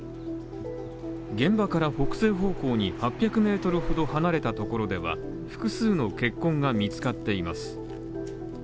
現場から北西方向に８００ｍほど離れたところでは、複数の血痕が見つかっています。